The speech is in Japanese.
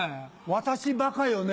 「私バカよね」。